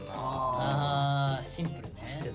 あシンプルね。